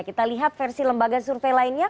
kita lihat versi lembaga survei lainnya